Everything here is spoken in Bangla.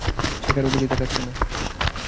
সে কারো দিকেই তাকাচ্ছে না।